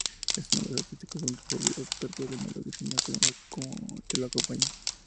Ese nombre artístico pronto fue olvidado, pero todavía no la definición que lo acompañó.